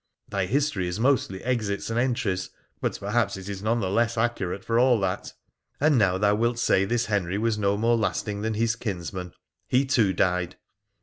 ' Thy history is mostly exits and entries, but perhaps it is none the less accurate for all that. And now thou wilt say this Henry was no more lasting than his kinsman — he too died.'